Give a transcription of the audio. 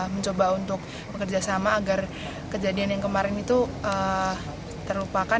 mencoba untuk bekerjasama agar kejadian yang kemarin itu terlupakan